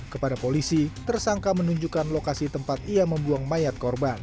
kepada polisi tersangka menunjukkan lokasi tempat ia membuang mayat korban